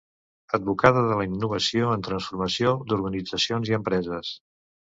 Advocada de la innovació en transformació d'organitzacions i empreses.